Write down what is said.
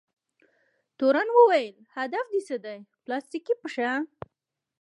تورن وویل: هدف دې څه دی؟ پلاستیکي پښه؟